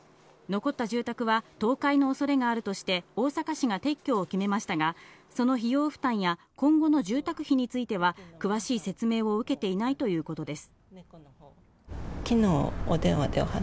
残った住宅は倒壊の恐れがあるとして、大阪市が撤去を決めましたが、その費用負担や今後の住宅費については、詳しい説明を受けていないということです。